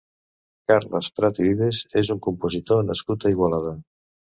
Carles Prat i Vives és un compositor nascut a Igualada.